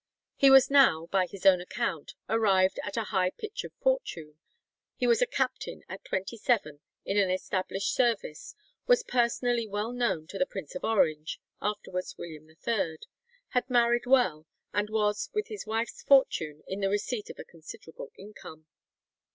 He was now, by his own account, arrived "at a high pitch of fortune." He was a captain at twenty seven in an established service, was personally well known to the Prince of Orange (afterwards William III), had married well, and was, with his wife's fortune, in the receipt of "a considerable income."